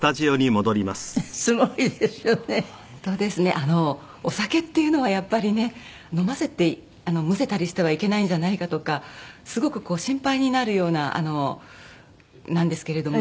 あのお酒っていうのはやっぱりね飲ませてむせたりしてはいけないんじゃないかとかすごく心配になるようななんですけれども。